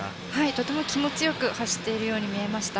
とても気持ちよく走っているように見えました。